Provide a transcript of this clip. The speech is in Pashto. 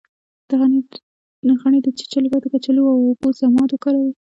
د غڼې د چیچلو لپاره د کچالو او اوبو ضماد وکاروئ